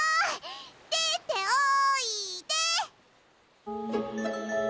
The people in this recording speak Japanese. でっておいで！